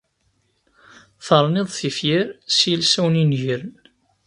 Terniḍ-d tifyar s yilsawen inegren.